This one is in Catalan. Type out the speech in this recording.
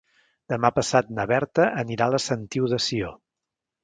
Demà passat na Berta anirà a la Sentiu de Sió.